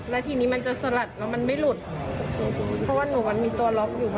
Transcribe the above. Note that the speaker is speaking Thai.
แล้วทีนี้มันจะสลัดแล้วมันไม่หลุดเพราะว่าหนูมันมีตัวล็อกอยู่ค่ะ